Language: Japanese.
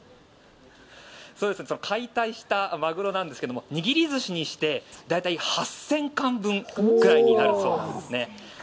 解体したマグロなんですが握り寿司にして大体、８０００貫分くらいになるそうなんです。